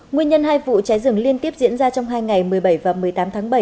nguyên nhân hai vụ cháy rừng liên tiếp diễn ra trong hai ngày một mươi bảy và một mươi tám tháng bảy